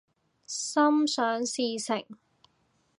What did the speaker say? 心想事成